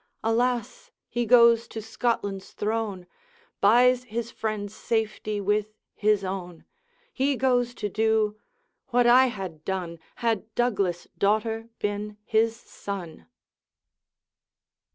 Alas! he goes to Scotland's throne, Buys his friends' safety with his own; He goes to do what I had done, Had Douglas' daughter been his son!'